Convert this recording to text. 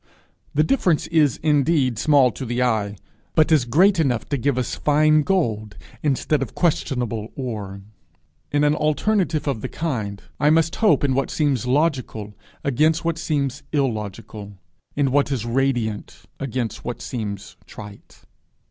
The difference is indeed small to the eye, but is great enough to give us fine gold instead of questionable ore. In an alternative of the kind, I must hope in what seems logical against what seems illogical; in what seems radiant against what seems trite.